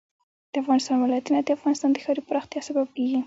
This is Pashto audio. د افغانستان ولايتونه د افغانستان د ښاري پراختیا سبب کېږي.